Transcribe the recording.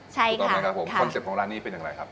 ใช่ค่ะคอนเซ็ปต์ของร้านนี้เป็นอย่างไรครับ